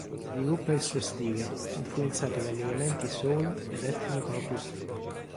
Sviluppa il suo stile, influenzato dagli elementi soul ed etnico-acustico.